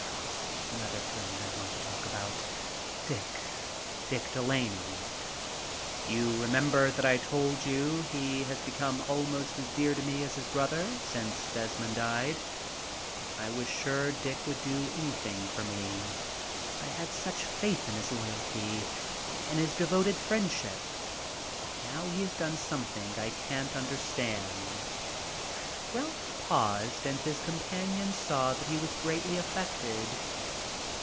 It's another friend I want to talk about. Dick Dick De Laney. You remember that I told you he has become almost as dear to me as a brother, since Desmond died. I was sure Dick would do anything for me. I had such faith in his loyalty, in his devoted friendship, but now he has done something I can't understand." Ralph paused and his companion saw that he was greatly affected.